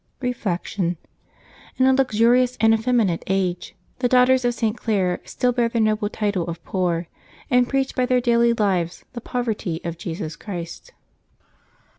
Reflection. — In a luxurious and effeminate age, the daughters of St. Clare still bear the noble title of poor, and preach by their daily lives the poverty of Jesus Christ.